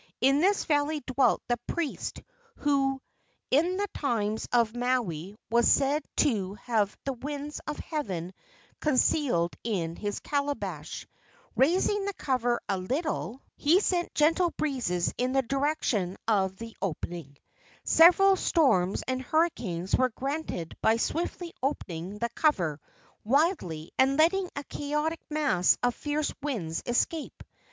In this valley dwelt the priest who in the times of Maui was said to have the winds of heaven con¬ cealed in his calabash. Raising the cover a little, 6o LEGENDS OF GHOSTS he sent gentle breezes in the direction of the open¬ ing. Severe storms and hurricanes were granted by swiftly opening the cover widely and letting a chaotic mass of fierce winds escape.